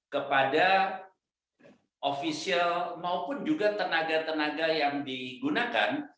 kepada ofisial maupun juga tenaga tenaga yang digunakan